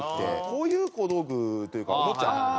こういう小道具というかおもちゃ。